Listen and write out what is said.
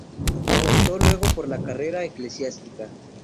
Optó luego por la carrera eclesiástica.